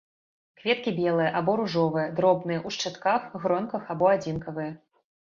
Кветкі белыя або ружовыя, дробныя, у шчытках, гронках або адзінкавыя.